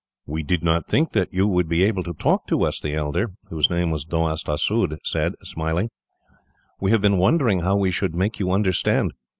"We did not think that you would be able to talk to us," the elder, whose name was Doast Assud, said, smiling. "We have been wondering how we should make you understand.